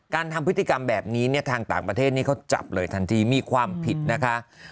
ทำพฤติกรรมแบบนี้เนี่ยทางต่างประเทศนี้เขาจับเลยทันทีมีความผิดนะคะ